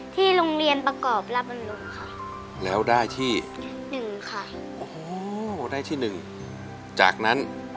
ที่โรงเรียนประกอบลับบำลุงค่ะ